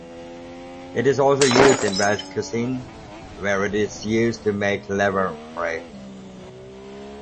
It is also used in Welsh cuisine, where it is used to make laverbread.